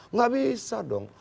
tidak bisa dong